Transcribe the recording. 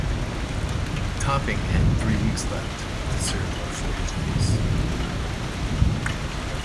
Topping had three weeks left to serve before his release.